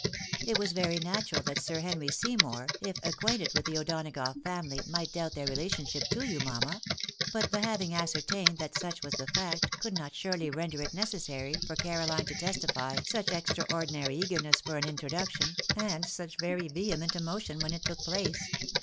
It was very natural that Sir Henry Seymour, if acquainted with the O'Donagough family, might doubt their relationship to you, mamma ; but the having ascertained that such was the fact, could not surely render it necessary for Carohne to testify such extraordinary eagerness for an introduction, and such very vehement emotion when it took place.